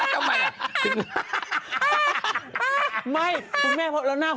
ท่าทำไมละ